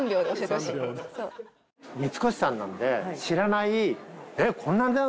三越さんなんで知らない。